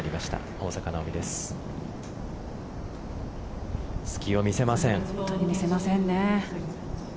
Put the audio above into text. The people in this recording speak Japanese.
本当に見せませんね。